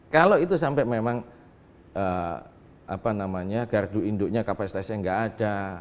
kalau itu sampai memang gardu induknya kapasitasnya nggak ada